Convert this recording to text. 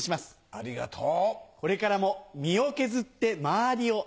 ありがとう。